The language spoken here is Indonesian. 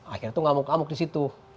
akhirnya tuh ngamuk kamuk disitu